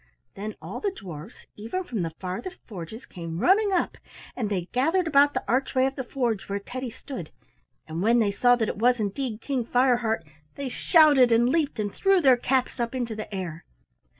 Then all the dwarfs, even from the farthest forges, came running up and gathered about the archway of the forge where Teddy stood, and when they saw that it was indeed King Fireheart they shouted and leaped and threw their caps up into the air.